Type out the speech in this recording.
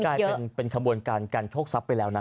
มันเหมือนการเป็นพวกข้างการทกทบไปแล้วนะ